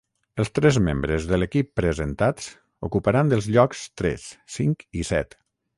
Els tres membres de l’equip presentats ocuparan els llocs tres, cinc i set.